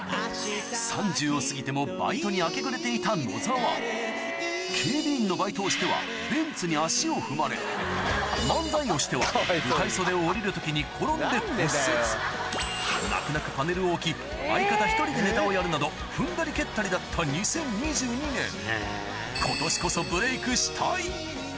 ３０を過ぎてもバイトに明け暮れていた野澤警備員のバイトをしてはベンツに足を踏まれ漫才をしては舞台袖を降りる時に転んで骨折泣く泣くパネルを置き相方１人でネタをやるなど踏んだり蹴ったりだった２０２２年あれ？